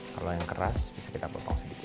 kalau yang keras bisa kita potong sedikit